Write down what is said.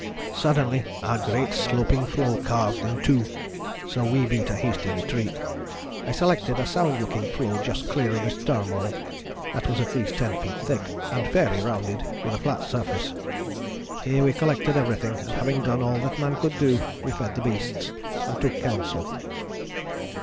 Suddenly our great sloping floe calved in two, so we beat a hasty retreat. I selected a sound looking floe just clear of this turmoil, that was at least ten feet thick, and fairly rounded, with a flat surface. Here we collected everything and having done all that man could do, we fed the beasts and took counsel.